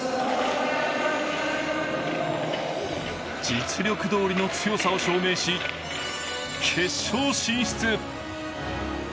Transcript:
実力どおりの強さを証明し、決勝進出。